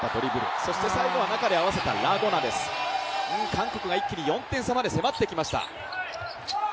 韓国が一気に４点差まで迫ってきました。